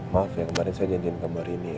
maaf ya kemarin saya dian di kamar ini ya